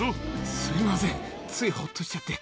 すみません、ついほっとしちゃって。